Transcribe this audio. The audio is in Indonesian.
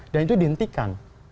dan itu dihentikan